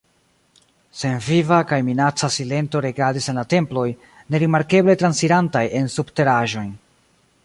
Senviva kaj minaca silento regadis en la temploj, nerimarkeble transirantaj en subteraĵojn.